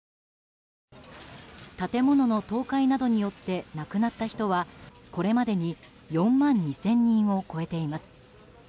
建物の倒壊などによって亡くなった人はこれまでに４万２０００人を超えています。